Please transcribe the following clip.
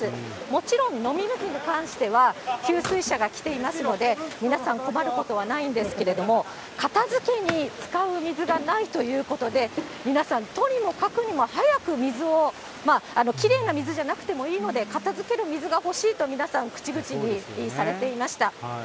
もちろん飲み水に関しては、給水車が来ていますので、皆さん困ることはないんですけども、片づけに使う水がないということで、皆さん、とにもかくにも、早く水を、きれいな水じゃなくてもいいので、片づける水が欲しいと皆さん口々にされていました。